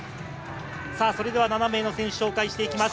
それでは７名の選手紹介していきます。